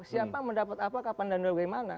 siapa mendapat apa kapan dan bagaimana